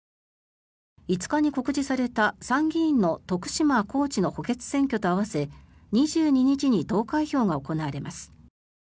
５日に告示された参議院の徳島、高知の補欠選挙と合わせ２２日に投開票が行われます。